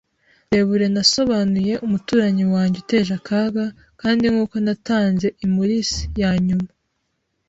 uburebure nasobanuye umuturanyi wanjye uteje akaga, kandi nkuko natanze impuls ya nyuma,